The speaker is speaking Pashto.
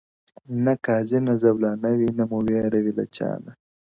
• نه قاضي نه زولانه وي نه مو وېره وي له چانه -